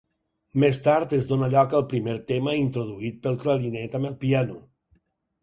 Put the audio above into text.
Més tard es dóna lloc al primer tema introduït pel clarinet amb el piano.